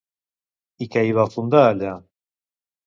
I què hi va fundar allà?